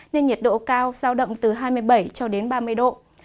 nên nhiệt độ cao giao động từ hai mươi bảy cho đến ba mươi độ